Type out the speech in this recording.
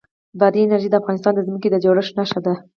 بادي انرژي د افغانستان د ځمکې د جوړښت نښه ده.